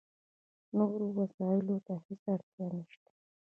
نورو وسایلو ته هېڅ اړتیا نشته.